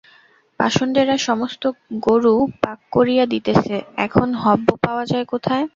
পাষণ্ডেরা সমস্ত গোরু পার করিয়া দিতেছে, এখন হব্য পাওয়া যায় কোথায়?